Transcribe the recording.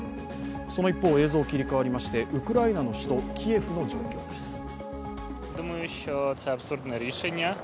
その一方、映像切り替わりましてウクライナの首都キエフの状況です。